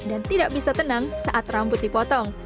dan tidak bisa tenang saat rambut dipotong